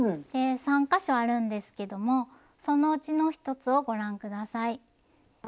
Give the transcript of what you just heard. ３か所あるんですけどもそのうちの１つをご覧下さい。